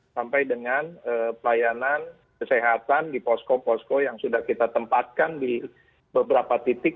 sampai dengan pelayanan kesehatan di posko posko yang sudah kita tempatkan di beberapa titik